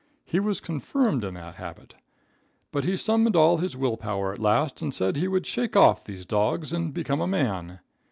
He was confirmed in that habit. But he summoned all his will power at last and said he would shake off these dogs and become a man.